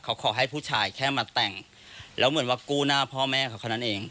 เขาขอให้ผู้ชายแค่มาแต่งแล้วเหมือนว่ากู้หน้าพ่อแม่เขานั่นเอง